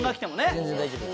全然大丈夫です。